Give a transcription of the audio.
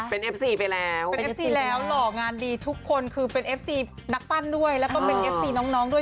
เป็นเอฟซีไปแล้วเป็นเอฟซีแล้วหล่องานดีทุกคนคือเป็นเอฟซีนักปั้นด้วยแล้วก็เป็นเอฟซีน้องด้วย